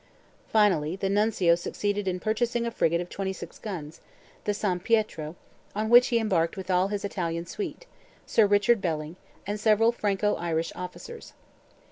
Finally, the Nuncio succeeded in purchasing a frigate of 26 guns, the San Pietro, on which he embarked with all his Italian suite, Sir Richard Belling, and several Franco Irish officers.